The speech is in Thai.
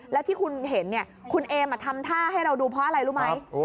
แล้วที่คุณเห็นเนี่ยคุณเอมทำท่าให้เราดูเพราะอะไรรู้ไหม